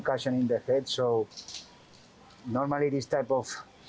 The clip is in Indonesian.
saya mengikuti balap untuk dua puluh empat jam